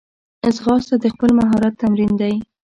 ځغاسته د خپل مهارت تمرین دی